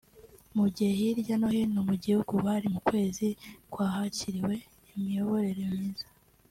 mu gihe hirya no hino mu gihugu bari mu kwezi kwahariwe imiyoborere myiza